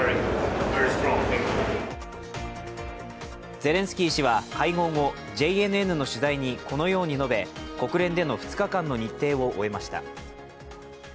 ゼレンスキー氏は会合後、ＪＮＮの取材にこのように述べ、国連での２日間の日程を終えました。